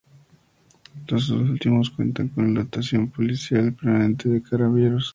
Los dos últimos cuentan con dotación policial permanente de Carabineros.